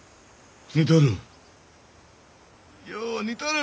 似とる。